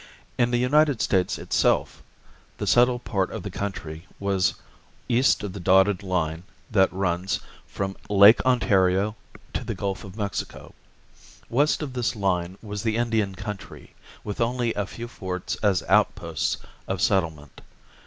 In the United States itself the settled part of the country was east of the dotted line that runs from Lake Ontario to the Gulf of Mexico. West of this line was the Indian country, with only a few forts as outposts of settlement.